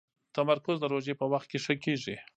تمرکز د روژې په وخت کې ښه کېږي.